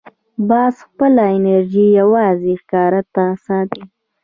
باز خپله انرژي یوازې ښکار ته ساتي